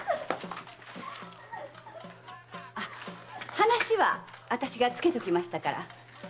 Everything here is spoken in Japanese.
話はあたしがつけときましたから。